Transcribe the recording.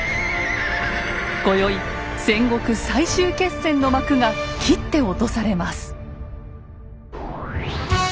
今宵戦国最終決戦の幕が切って落とされます。